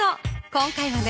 今回はね